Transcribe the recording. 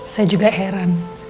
saya juga heran